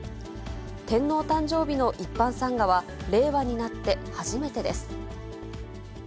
天皇誕生日の一般参賀は令和になって初めてです。